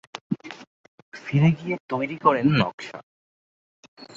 ফিরে গিয়ে তৈরি করেন নকশা।